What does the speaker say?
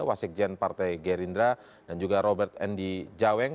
wasikjen partai gerindra dan juga robert endi jaweng